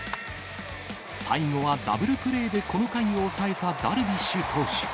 最後はダブルプレーでこの回を抑えたダルビッシュ投手。